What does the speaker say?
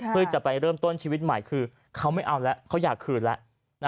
เพื่อจะไปเริ่มต้นชีวิตใหม่คือเขาไม่เอาแล้วเขาอยากคืนแล้ว